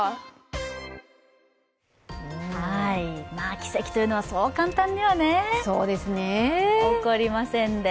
奇跡というのはそう簡単にはね起こりませんで。